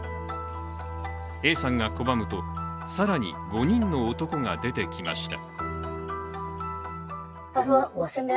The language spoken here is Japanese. Ａさんが拒むと、更に５人の男が出てきました。